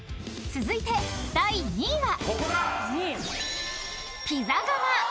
［続いて第３位は］